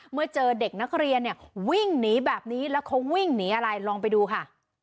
เมื่อเจอเด็กนักเรียนเนี่ยวิ่งหนีแบบนี้แล้วเขาวิ่งหนีอะไรลองไปดูค่ะ